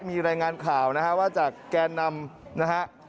มีรายงานข่าวนะฮะว่าจากแกนนำนะฮะ